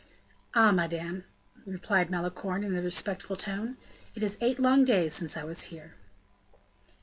"Ah, madame!" replied Malicorne, in a respectful tone; "it is eight long days since I was here."